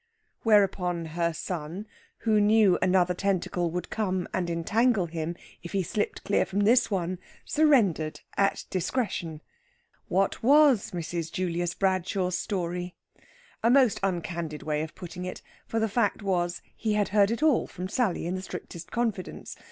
Whereupon her son, who knew another tentacle would come and entangle him if he slipped clear from this one, surrendered at discretion. What was Mrs. Julius Bradshaw's story? A most uncandid way of putting it, for the fact was he had heard it all from Sally in the strictest confidence.